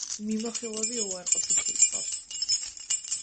მიმოხილვები უარყოფითი იყო.